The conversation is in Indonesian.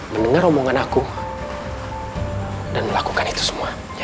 mendengar omongan aku dan melakukan tim hai ia